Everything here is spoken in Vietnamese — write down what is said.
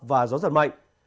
và gió giật mạnh